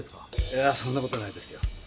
いやそんな事ないですよ。